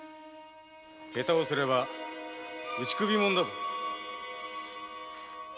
下手をすれば打ち首だ。